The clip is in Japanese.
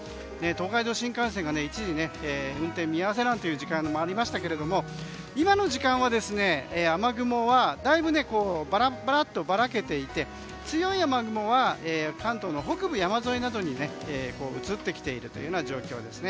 東海道新幹線が一時運転見合わせという時間もありましたが今の時間は、雨雲はだいぶ、バラバラとばらけていて強い雨雲は関東の北部山沿いなどに移ってきている状況です。